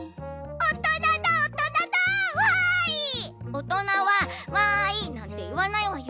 おとなは「わい！」なんていわないわよ。